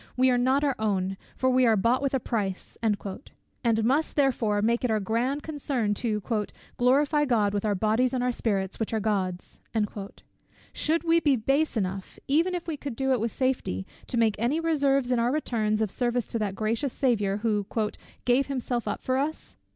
"We are not our own; for we are bought with a price," and must "therefore" make it our grand concern to "glorify God with our bodies and our spirits, which are God's." Should we be base enough, even if we could do it with safety, to make any reserves in our returns of service to that gracious Saviour, who "gave up himself for us?"